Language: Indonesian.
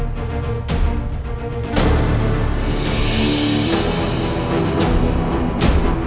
terima kasih banyak